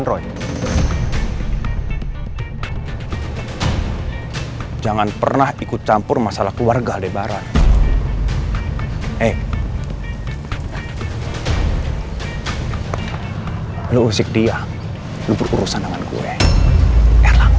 oh iya boleh perlahan